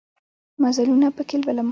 مزلونه پکښې لولم